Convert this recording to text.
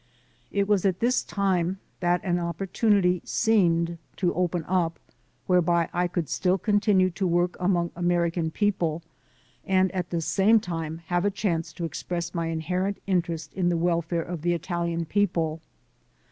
It was at this time that an opportunity seemed to open up whereby I could still continue to work among American people and at the same time have a chance to express my inherent interest in the wel fare of the Italian people.